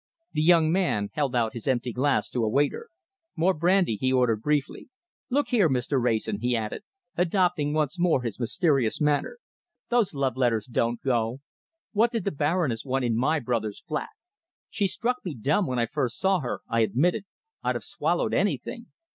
The young man held out his empty glass to a waiter. "More brandy," he ordered briefly. "Look here, Mr. Wrayson," he added, adopting once more his mysterious manner, "those love letters don't go! What did the Baroness want in my brother's flat? She struck me dumb when I first saw her. I admit it. I'd have swallowed anything.